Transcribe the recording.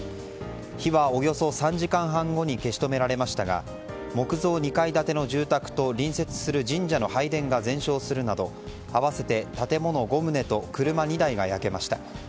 火はおよそ３時間半後に消し止められましたが木造２階建ての住宅と隣接する神社の拝殿が全焼するなど合わせて建物５棟と車２台が焼けました。